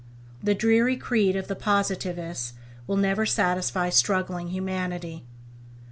The dreary creed of the Positivists will never satisfy struggling humanity.